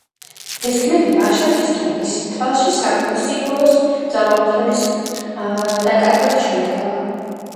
ეს ქმედება აშანტის ტომის თვალში სამეფო სიმბოლოს ძალაუფლების დაკარგვად ჩაითვალა.